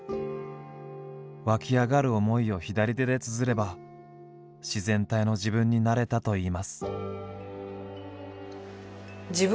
湧き上がる思いを左手でつづれば自然体の自分になれたといいます。